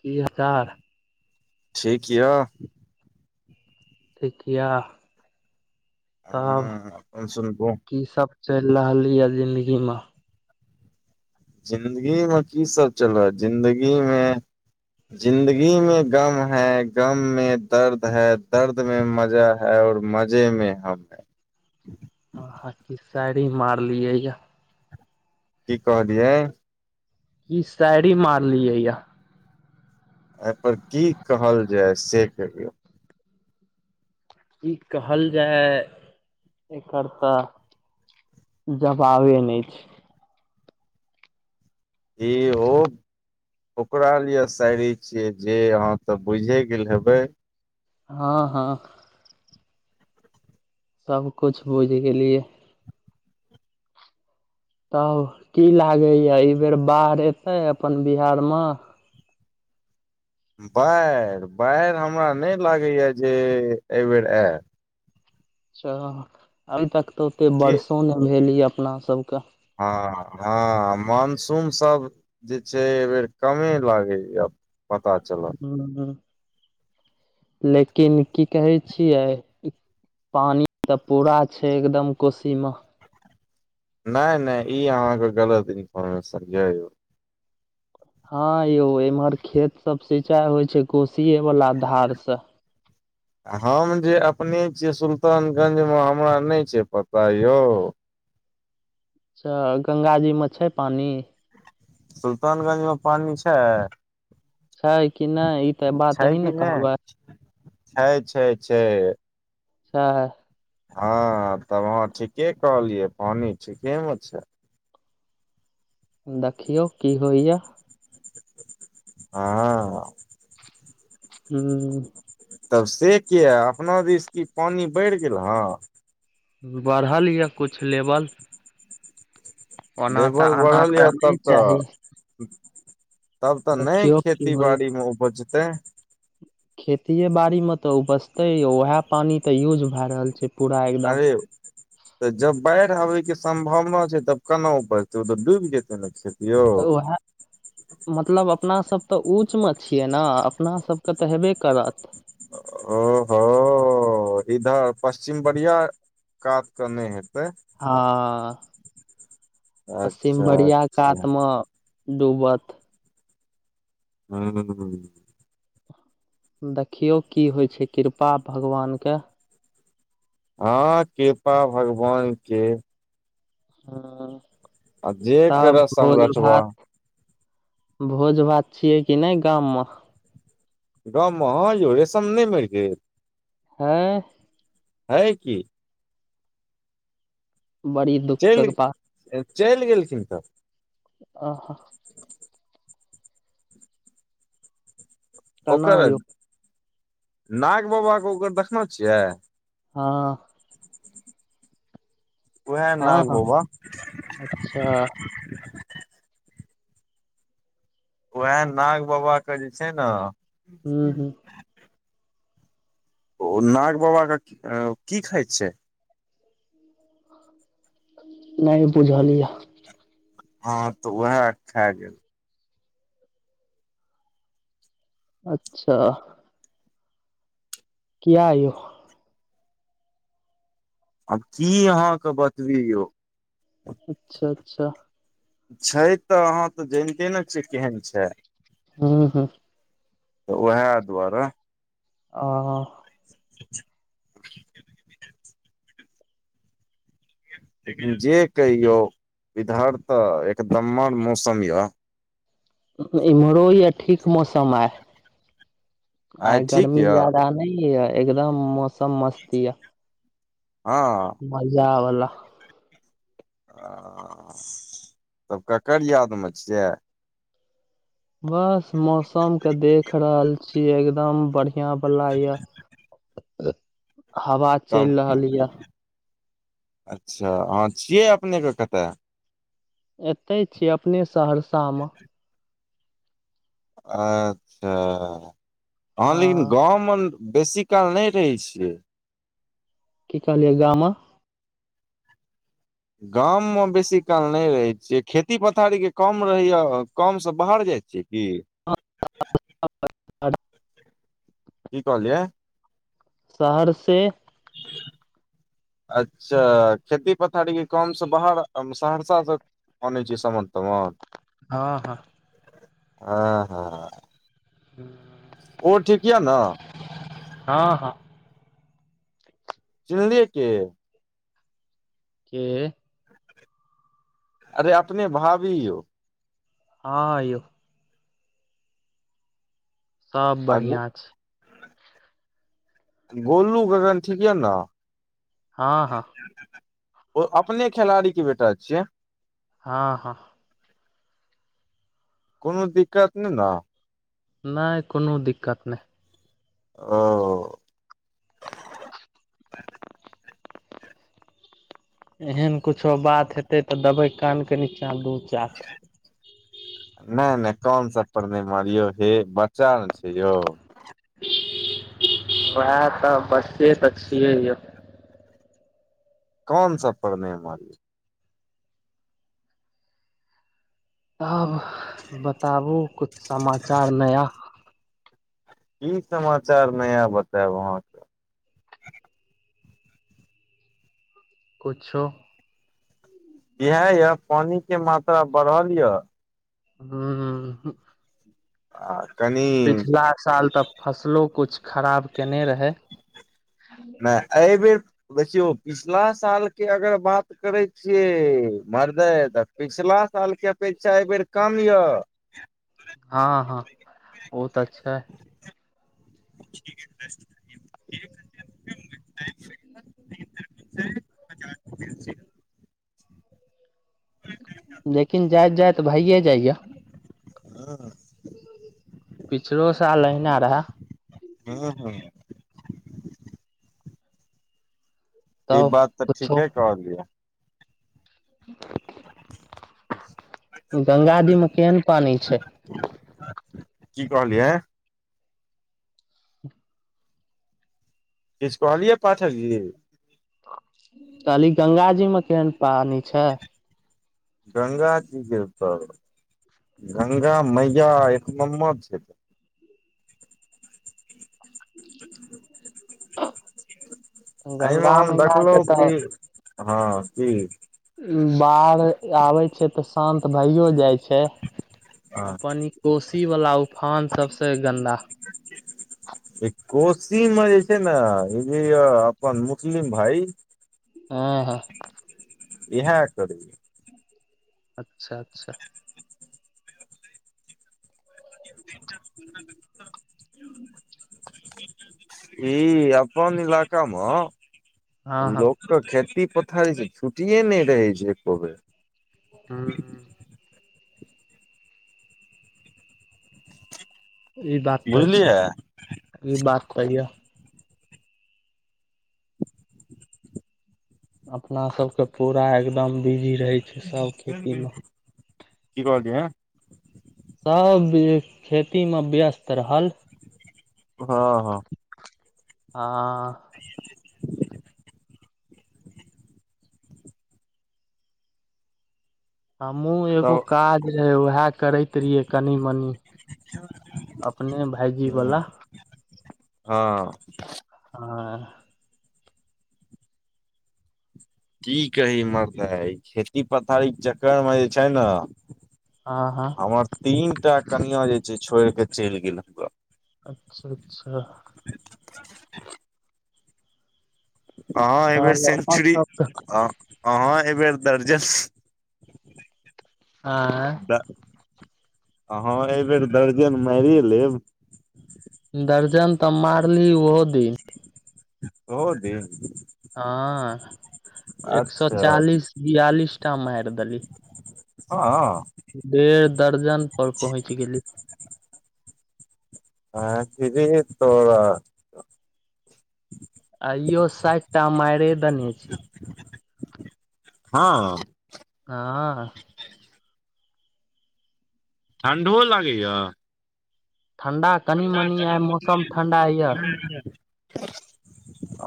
की हजार [unintelligible] ठीक य ठ किया तब हँ अपन सुनबू की सब चल रहल रहललिय जिंन्दगीमे [inaudible] जिदगी में की सब चल ह जिंन्दगी मे जिन्दगी में गम है गम में दर्द है दर्द में मजा है [inaudible] है और मजे में हम [inaudible] आ, हां की शायरी मारलियै या। की कहलियै। की, ई शायरी मारलियै या एहि परर की कहल जाय से कियौ? की कहल जाय एकर तऽ' जबाबे नहि छै। जें, ओ ओकरा लिए सायरी छियै जे अहाँ तऽ' बुझे गेल हेबै? हँ-हँ सबकुछ बुझ गेलियै। तब की लागय यऽ अई बेर बाढ़ एतय अपन बिहार मऽ। बाढ़ि-बाढ़ि हमरा नहि लागैय जे एहिबेर ऐ अच्छा अभी तक तऽ ओते बर्सो नहि भेल य अपना सबकऽ। हँ-हँ मानसून सब जे छै एहि बेर कमे लागय यऽ। पता चल हूं- हूं लेकिन की कहै छियै। पानी तऽ पूरा छै एकदम कोशी मऽ। नहि-नहि ई अहाँके गलत इन्फोर्मेशन य यौ। हँ यौ एम्हर खेत सब सिंचाई होइ छै, कोशीे वाला धार सऽ। [inaudible] हम जे अपने छियै सुल्तानगंज मऽ हमरा नहि छै पता यौ। अच्छा गंगा जीमऽ छै पानि। सुल्तानगंज मे पानि छै। छै कि नहि ई तऽ बात अही ने कहबै। छै-छै-छै चा हैं हँ तब अहाँ ठीके कहलियै पानि ठीकेमे छै। देखियौ की होइय। [inaudible] हँ हूं तब से किया अपना दिस कि पानि बढ़ि गेल हँ। बढ़ल यऽ कुछ लेवल। ओना तऽ लेवल आना बढ़ल तऽ यए नहि तब चाही तऽ तब तऽ नहि देखियौ की खेती बाड़ी मे उपजतै। खेतिए बाड़ीमे तऽ उपजतै यौ उएह पानि तऽ यूज भए रहल छै। पूरा एकदम अरे तऽ जब बाढ़ि आबे के सम्भावना छै, तब केना ऊपजते ओ तऽ डूबि जेतै ने खेत। ओ वह हैं। मतलब अपनासब तऽ ऊँचमे छियै नऽ अपनासबके तऽ हेबे करत। ओ हो ओ इधर पश्चिम बढ़िया कात कऽ नहि हेतै। हँ पश्चिम अच्छा बरियां अच्छा कात मऽ डूबत। हूं। देखियौ की होइ छै कृपा भगवानके। हँ कृपा भगवान के। हूं आ जे तब कर भोज समरठबा भात भोज भात छियै कि नहि गाममऽ। गाँममऽ हँ यौ रेशम नहि मरि गेल। अँय है की। बड़ी दुःख के बात चलि चैल गेलखिन त। आह। [inaudible] केना ओकर यौ नाग बाबाके ओकर देखने छियै। हँ। उएह हँ नाग हँ बाबा। अच्छा! उएह नाग बाबाके जे छै ने। हू -हू। ओ नाग बाबाके की खाइत छै? ह। नहि बुझल यऽ। हँ तऽ उएह खा गेल। अच्छा। किए यौ। आब की अहाँके बताबी यौ। अच्छा- अच्छा। छै तऽ, अहाँ तऽ जानिते ने छियै केहन छै। हू- हू। तऽ उएह दुआरे। आहा। [unintelligible] लेकिन जे कहियो, इधर तऽ एकनंबर मौसम ये। इम्हरो या ठीक मौसम आइ। आइ आय ठीक गर्मी यऽ ज्यादा नै य, एकदम मौसम मस्त य। हँ। मजा बला। तब ककर यादमे छियै? बस मौसम के देख रहल छी, एकदम बढ़िया बढ़िया बला य हवा। त चल रहल ये अच्छा! अहां छियै अपनेके कतऽ? एतय छीय अपने सहरसा मे। अच्छा! अहाँ लेकिन आ गाँवमे बेसी काल नहि रहै छियै? की कहलियै गाममे? गाम मे बेसी काल नहि रहैत छीये, खेती पथारी के कम रहैया, काम से बाहर जाइत छियै कि? [unintelligible] की कहलिय? सहरसे। ह [inaudible] अच्छा! खेती -पथारीे कामसँ बाहर सहरसाँ अनै छियै, समान-तमान? हँ हँ। हँ ह ओ ठीक यऽ न- - हँ हँ चिललिय के- - के- - अरे अपने भाभी यो- - हँ यौ- - सब आ बढ़िआँ छैइ। गोलू, गगन ठीक या न- हाँ हाँ - ओ अपने खेलाड़ी के बेटा छियै, हँ हँ- - कोनो दिक्कत नेइ न- - नइ कोनो दिक्कत नहि- - अ- - अ एहन कुछो बात हेतै तऽ देबै कानके नीचाँ दू चा- - नयि नयि कान सब पर नहि मारौ यो बच्चा ने छै यौ। वैहे तऽ बच्चे छियै यौ। कान सब पर नयि मारियो - - अहा बताबु कुछ समाचार नया- - कि समाचार नया बतायब अहाँ। कुछो- - इहा य पानी के मात्रा बढ़ल य- - हुं हुं उहु- - आ कनी- - पिछला साल तऽ फसलो कुछ खराब केने रहे। नहि एहि बेर- - बेसयो पिछिला सालके अगर बात करै छियै मरदय त- - पिछला साल के अपेक्षा एहि बेर कम यऽ हँ ह ओ त छैय। ह लेकिन जात जाय भइए जाइया। हँ पिछलो साल अहिना रहै। उ हु - - ई तब बात तऽ पुछो ठिके कहलिए या। ह [unintelligible] गंगा दी में केहन पानि छैय। कि कहलियै। किछ कहलियै पाठक जी। कहलि गंगााजी में केहन पानि छैई। गंगााजी के तर गंगा मैया एक नंबर छैई। [inaudible] एहिमे गंगा हम मैया के देखलहुँ तऽ की हँ की। बाढ़ आबै छै तऽ शान्त भइयो जाइ छै हँ अपन कोशी वाला उफान सबस गन्दा। ई कोशी मे जे छै ने ई य अपन मुस्लिम भाय। ह ह। इएह करुं। अच्छा अच्छा। ह [inaudible] ई अपन इलाकामे हँ हँ लोक खेती पथारी से छुटिये नहि रहै छै एको बेर। हँ। ई बात तऽ छै बुझलियै ई बात त ये। अपनासभके पूरा एकदम बिजी रहै छै सभ खेतीमे। की कहलिये। सब खेतीमे व्यस्त रहल। हँ हँ। ह। [inaudible] हमहूँ एगो तब काज रहै उएह करैत रहियै कनि मनि। अपने ह भइजीवला। हँ। आ। की कही मर्दे खेती पथारी के चक्करमे जे छै ने। आ हँ। हमर तीन टा कनिया जे छै छोड़ के चलि गेल हमरा। अच्छा अच्छा। अहाँ अय बेर सेंचरी तब ह हाँ एहि बेेर दर्जन आँ आहाँ एहिबेर दर्जन मारिय लेब। दर्जन तऽ मारली ओहो दिन। ओहो दिन। हँ एक सए अच्छा चालीस बियालिस टा मारि देली। हँ। डेढ़ दर्जन पर पहुँचि गेली। आहिरे तोराकेँ। [unintelligible] आइयो साठि टा मारे देने छी। हँ। हँ। ठंडो लागैया। ठंडा कनी मनी आइ मौसम ठंडा या। ह। [unintelligible]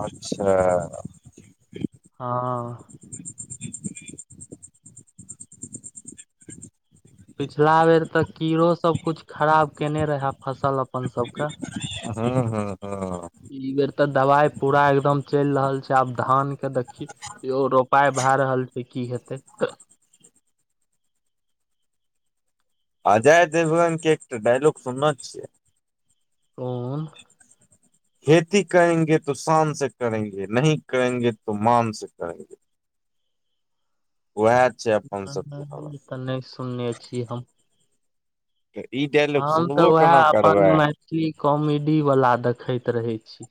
अच्छा। हँ। [inaudible] पिछला बेर तऽ कीड़ो सब कुछ खराब केने रहा फसल अपन सबके। हँ हँ हँ, ई बेर तऽ दबाइ पूरा एकदम चैल रहल छै आब धान के देखी इहो रोपाइ भए रहल छै की हेतै। अजय देवगन के एकटा डायलॉग सुनने छियै? कोन? खेती करेंगे तो शान से करेंगे नहीं करेंगे तो मान से करेंगे। वेएह छै अपन सब के हाल। त न‌इ सुनने छी हम। ई [unintelligible] हम तऽ वेएह कोना अपन करबै मैथिली कॉमेडी बला देखैत रहै छी।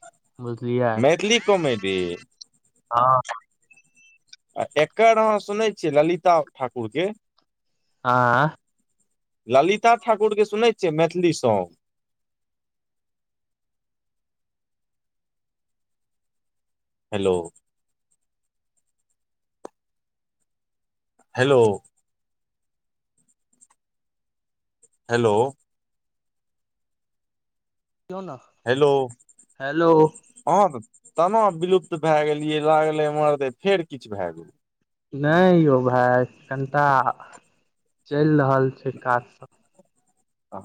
बुझलियै मैथिली कॉमेडी [unintelligible] हँ। आ एकर अहाँ सुनै छियै ललिता ठाकुर के? आँ ललिता ठाकुर के सुनै छियै Maithili song. Hello hello, hello, कहियौ न। हेलो, हेलो अहा तऽ तना विलुप्त भए गेलियै लागलै हमरा जे फेर किछ भए गेलै। न‌इ यौ भाय कनिटा चैल रहल छै काज स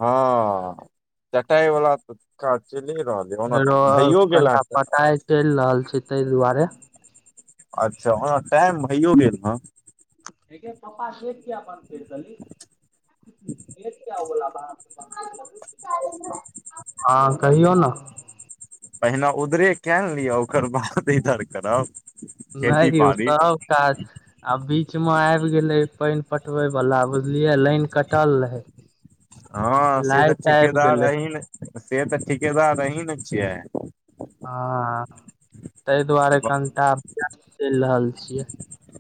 हँ कटाइ बला त काज चैले रहल। एगो और कनिटा पटाइ चैल रहल छै तै दुआरे। अच्छा ओना टाइम भैयो गेल हं। ब [inaudible] [inaudible] हँ कहियौ ने। पहिने उधरे केए न लियऽ ओकर बाद इधर करब। खेती न‌इ यौ बाड़ी सब काज आ बीच में आइब गेलै पाइन पटबै वाला बुझलिये लाइन कटल रहै। हँ से तऽ ठिकेदार गेलै अहीं ने से तऽ ठिकेदार अहीं ने छियै। हँ तै दुआरे कनिटा अभ्यास चैल रहल छियै।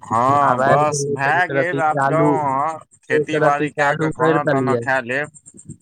हँ आब आबि बस गेलै तऽ भए एक गेल रती आब जाउ चालू अहाँ एक खेती रती बाड़ी कए चालू कऽ कैर खाना ताना देलियै खेए लेब।